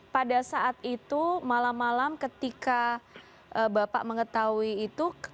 pada saat itu malam malam ketika bapak mengetahui itu